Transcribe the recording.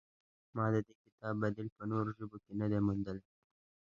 ما د دې کتاب بدیل په نورو ژبو کې نه دی موندلی.